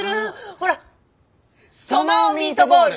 ソマオ・ミートボール！